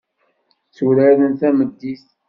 Tturaren tameddit.